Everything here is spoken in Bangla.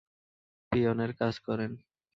পিয়নের কাজ করেন।